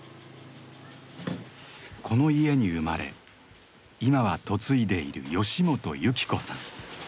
この家に生まれ今は嫁いでいる吉本幸子さん。